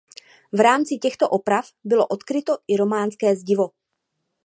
V rámci těchto oprav bylo odkryto i románské zdivo.